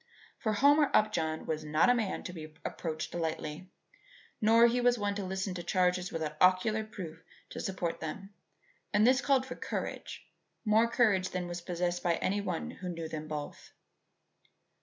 For Homer Upjohn was not a man to be approached lightly, nor was he one to listen to charges without ocular proof to support them; and this called for courage, more courage than was possessed by any one who knew them both.